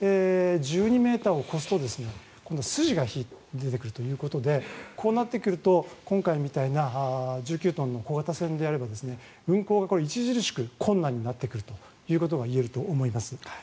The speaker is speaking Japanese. １２ｍを超すと今度は筋が出てくるということでこうなってくると今回みたいな１９トンの小型船であれば運航が著しく困難になってくるということが言えると思います。